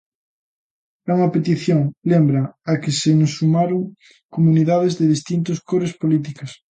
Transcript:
É unha petición, lembran, á que se sumaron comunidades de distintas cores políticas.